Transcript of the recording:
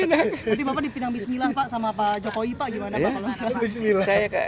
berarti bapak dipinang bismilang pak sama pak jokowi pak gimana pak